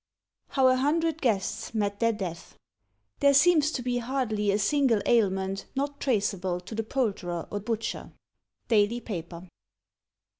How A Hundred Guests Met Their Death, i^ " There seems to be hardly a single ailment not traceable to the poulterer or butcher."— iJaj'/)/ Paper.